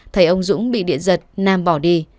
thấy ông dũng bị điện giật nam bỏ đi